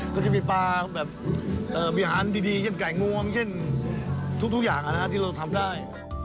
ก็จะมีปลาแบบมีอาหารดีเช่นไก่งวงเช่นทุกอย่างที่เราทำได้